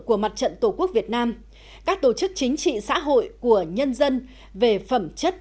của mặt trận tổ quốc việt nam các tổ chức chính trị xã hội của nhân dân về phẩm chất